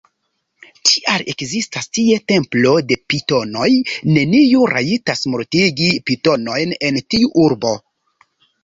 Tial ekzistas tie templo de pitonoj; neniu rajtas mortigi pitonojn en tiu urbo.